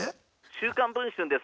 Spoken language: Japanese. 「『週刊文春』です。